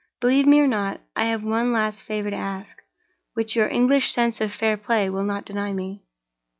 Believe me or not, I have one last favor to ask, which your English sense of fair play will not deny me.